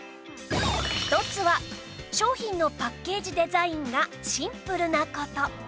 一つは商品のパッケージデザインがシンプルな事